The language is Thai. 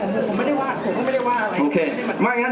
ผมก็ไม่ได้ว่างนะครับ